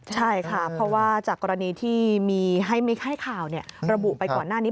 ใช่ค่ะเพราะว่าจากกรณีที่มีให้ข่าวระบุไปก่อนหน้านี้